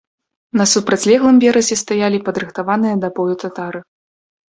На супрацьлеглым беразе стаялі падрыхтаваныя да бою татары.